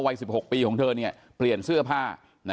วัย๑๖ปีของเธอเปลี่ยนเสื้อผ้า